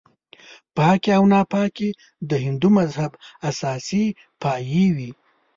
پاکي او ناپاکي د هندو مذهب اساسي پایې وې.